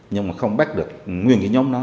nhưng mà không bắt được nguyên cái nhóm đó